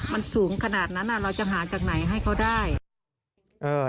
มันสูงขนาดนั้นเราจะหาจากไหนให้เขาได้